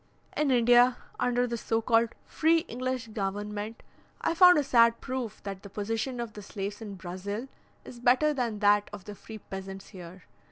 In India, under the so called "free English government," I found a sad proof that the position of the slaves in Brazil is better than that of the free peasants here.